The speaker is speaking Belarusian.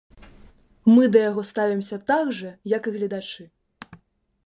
Мы да яго ставімся так жа, як і гледачы!